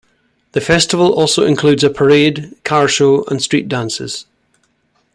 The festival also includes a parade, car show, and street dances.